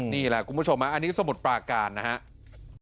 นี่แหละคุณผู้ชมอันนี้สมุทรปราการนะครับ